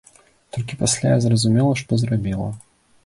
Толькі пасля я зразумела, што зрабіла.